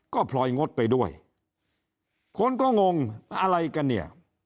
ก็พลอยงดไปด้วยคนก็งงอะไรกันเนี่ย